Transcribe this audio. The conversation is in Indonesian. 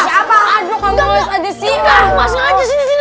siapa aduh kamu bisa di sini